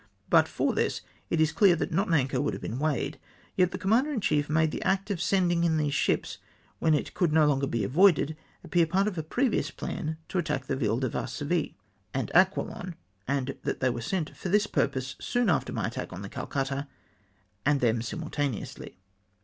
But for this, it is clear that not an anchor would have been weighed. Yet the commander in chief made the act of sending in these ships, ichen it could no longer he avoided, appear part of a previous plan to attack the Ville de Varsovie and Aquilon. and that they were sent for this purpose soon after my attack on the Calcutta and them simultaneously!